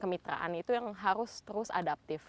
kemitraan itu yang harus terus adaptif